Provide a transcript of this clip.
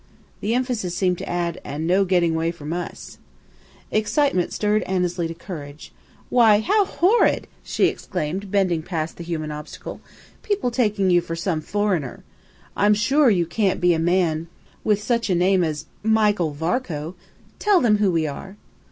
The emphasis seemed to add, "And no getting away from us." Excitement stirred Annesley to courage. "Why, how horrid!" she exclaimed, bending past the human obstacle; "people taking you for some foreigner! I'm sure you can't be like a man with such a name as Michael Varcoe! Tell them who we are."